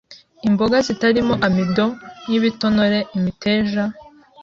Imboga zitarimo amidon nk’ibitonore, imiteja,